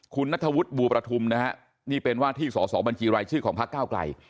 คนนัทวุฒิบูรณฑุมนะนี่เป็นที่ศบัญกีรายชื่อของภก้าวกลัย